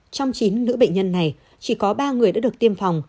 trong chín nữ bệnh nhân này chỉ có ba người đã được tiêm phòng